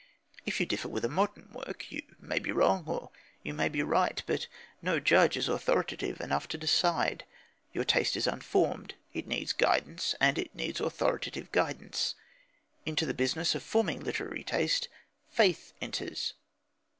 If you differ with a modern work, you may be wrong or you may be right, but no judge is authoritative enough to decide. Your taste is unformed. It needs guidance, and it needs authoritative guidance. Into the business of forming literary taste faith enters.